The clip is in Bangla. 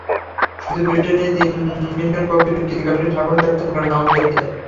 শুধু ব্রিটেনেই তিন মিলিয়ন কপি বিক্রি গানটির সাফল্যের একটা ধারণা আমাদের দেয়।